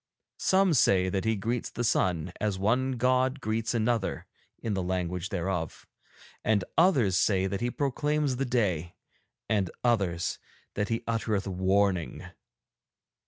Some say that he greets the sun as one god greets another in the language thereof, and others say that he proclaims the day, and others that he uttereth warning.